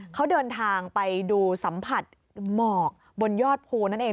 เขาเดินทางไปดูสัมผัสหมอกบนยอดภูนั่นเอง